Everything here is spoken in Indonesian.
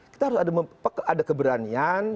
kita harus ada keberanian